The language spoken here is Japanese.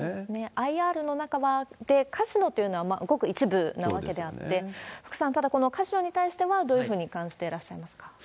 ＩＲの中で、カジノというのはごく一部なわけであって、福さん、ただ、このカジノに対してはどういうふうに感じていらっしゃいますか？